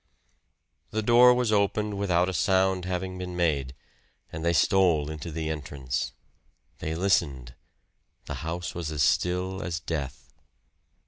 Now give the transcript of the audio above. The door was opened without a sound having been made, and they stole into the entrance. They listened the house was as still as death.